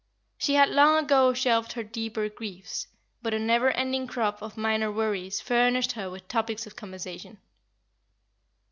She had long ago shelved her deeper griefs; but a never ending crop of minor worries furnished her with topics of conversation.